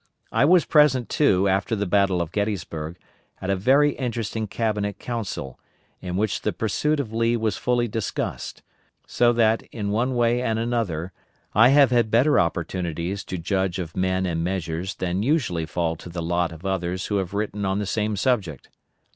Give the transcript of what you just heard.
I was present, too, after the Battle of Gettysburg, at a very interesting Cabinet Council, in which the pursuit of Lee was fully discussed; so that, in one way and another, I have had better opportunities to judge of men and measures than usually fall to the lot of others who have written on the same subject.